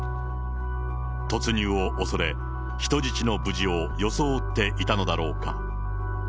突入を恐れ、人質の無事を装っていたのだろうか。